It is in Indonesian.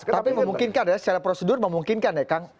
tapi memungkinkan ya secara prosedur memungkinkan ya kang